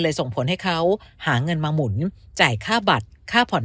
ส่งผลให้เขาหาเงินมาหมุนจ่ายค่าบัตรค่าผ่อน